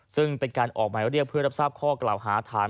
ซึ่งเป็นการออกหมายเรียกเพื่อรับทราบข้อกล่าวหาฐาน